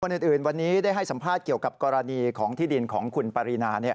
อื่นวันนี้ได้ให้สัมภาษณ์เกี่ยวกับกรณีของที่ดินของคุณปรินา